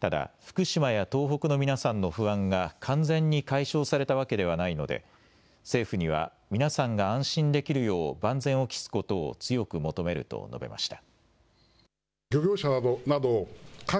ただ福島や東北の皆さんの不安が完全に解消されたわけではないので政府には皆さんが安心できるよう万全を期すことを強く求めると述べました。